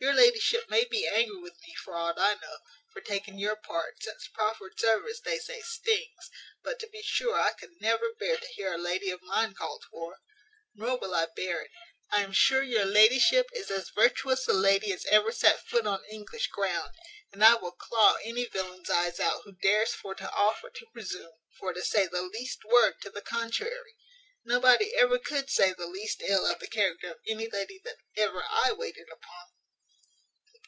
Your ladyship may be angry with me, for aught I know, for taking your part, since proffered service, they say, stinks; but to be sure I could never bear to hear a lady of mine called whore. Nor will I bear it. I am sure your ladyship is as virtuous a lady as ever sat foot on English ground, and I will claw any villain's eyes out who dares for to offer to presume for to say the least word to the contrary. Nobody ever could say the least ill of the character of any lady that ever I waited upon."